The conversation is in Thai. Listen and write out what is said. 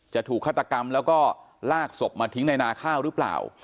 ถูกฆาตกรรมแล้วก็ลากศพมาทิ้งในนาข้าวหรือเปล่า